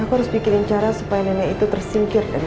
aku harus pikirin cara supaya nenek itu tersingkir dari